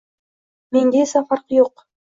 Menga esa farqi yo`q